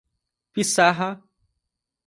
Piçarra